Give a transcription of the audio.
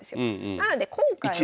なので今回は。